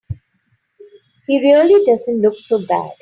He really doesn't look so bad.